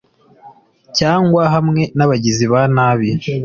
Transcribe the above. cyangwa hamwe n'abagizi ba nabi